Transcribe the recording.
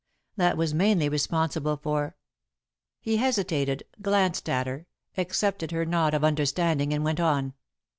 That was mainly responsible for " He hesitated, glanced at her, accepted her nod of understanding, and went on.